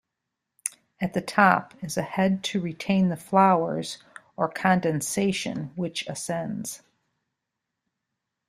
At the top is a head to retain the flowers, or condensation, which ascends.